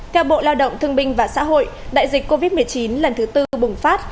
theo bộ lao động thương binh và xã hội đại dịch covid một mươi chín lần thứ tư bùng phát